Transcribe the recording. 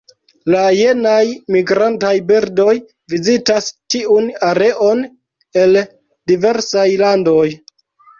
La jenaj migrantaj birdoj vizitas tiun areon el diversaj landoj.